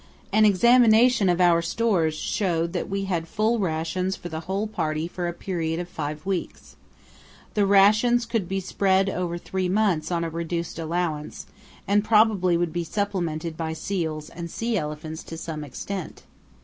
An examination of our stores showed that we had full rations for the whole party for a period of five weeks. The rations could be spread over three months on a reduced allowance and probably would be supplemented by seals and sea elephants to some extent.